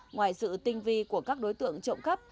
ngoài sự tinh vi của các đối tượng trộm cắp